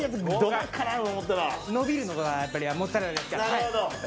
伸びるのがモッツァレラですか。